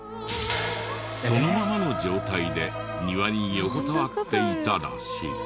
そのままの状態で庭に横たわっていたらしい。